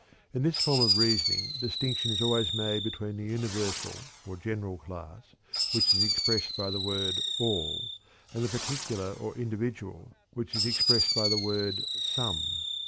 In this form of reasoning distinction is always made between the universal or general class, which is expressed by the word all, and the particular or individual, which is expressed by the word "some."